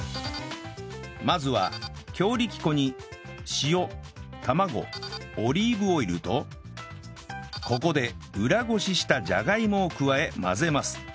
まずは強力粉に塩卵オリーブオイルとここで裏ごししたじゃがいもを加え混ぜます